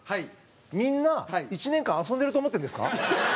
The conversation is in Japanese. みんな、１年間遊んでると思ってるんですか？